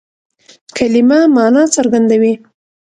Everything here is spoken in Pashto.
کلیمه مانا څرګندوي.